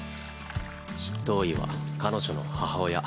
執刀医は彼女の母親